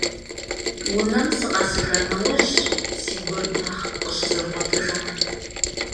Унэм сыкъэсыжа нэужьщ си гур нэхъ къыщызэрыгъуэтыжар.